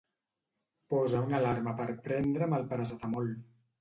Posa una alarma per prendre'm el Paracetamol.